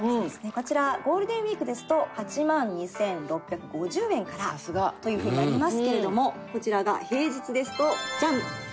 こちらゴールデンウィークですと８万２６５０円からというふうになりますけれどもこちらが平日ですとジャン！